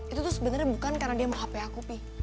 itu tuh sebenernya bukan karena dia mau hp aku